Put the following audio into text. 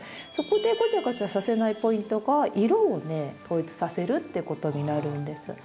そこでごちゃごちゃさせないポイントが色をね統一させるっていうことになるんです。